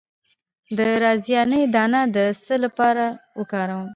د رازیانې دانه د څه لپاره وکاروم؟